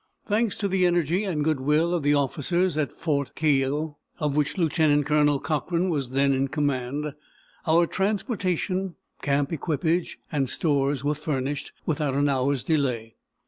Thanks to the energy and good will of the officers at Fort Keogh, of which Lieutenant Colonel Cochran was then in command, our transportation, camp equipage, and stores were furnished without an hour's delay.